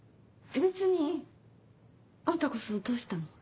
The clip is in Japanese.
別にあんたこそどうしたの？